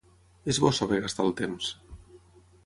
És bo saber gastar el temps.